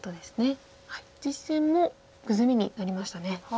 実戦もグズミになりましたね。